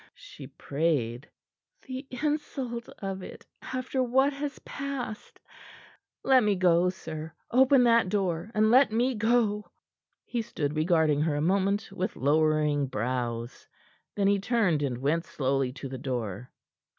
she prayed. "The insult of it after what has passed! Let me go, sir; open that door, and let me go." He stood regarding her a moment, with lowering brows. Then he turned, and went slowly to the door.